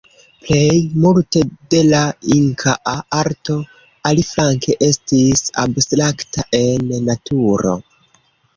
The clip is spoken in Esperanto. Plej multe de la inkaa arto, aliflanke, estis abstrakta en naturo.